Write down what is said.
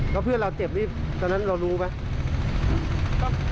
แล้วเพื่อนเราเจ็บนี่ตอนนั้นเรารู้ไหม